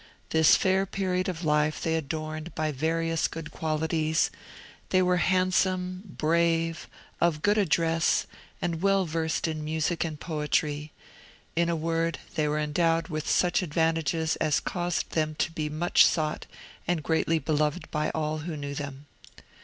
This fair period of life they adorned by various good qualities; they were handsome, brave, of good address, and well versed in music and poetry; in a word, they were endowed with such advantages as caused them to be much sought and greatly beloved by all who knew them.